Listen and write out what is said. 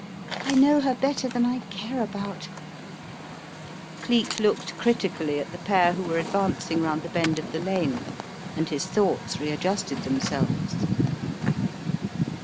I know her better than I care about/' Cleek looked critically at the pair who were ad vancing round the bend of the lane, and his thoughts readjusted themselves.